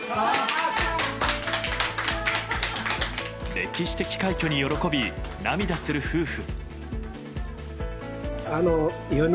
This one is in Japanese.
歴史的快挙に喜び、涙する夫婦。